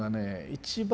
一番